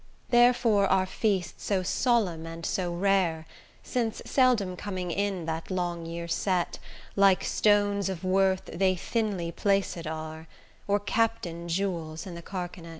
Therefore are feasts so solemn and so rare, Since, seldom coming in that long year set, Like stones of worth they thinly placed are, Or captain jewels in the carcanet.